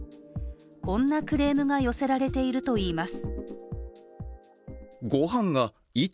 こんなクレームが寄せられているといいます。